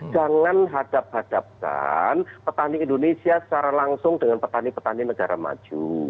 jangan hadap hadapkan petani indonesia secara langsung dengan petani petani negara maju